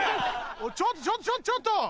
おいちょっとちょっとちょっと！